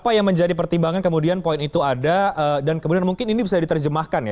apa yang menjadi pertimbangan kemudian poin itu ada dan kemudian mungkin ini bisa diterjemahkan ya